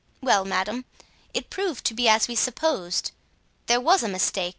Well, madame, it proved to be as we had supposed; there was a mistake.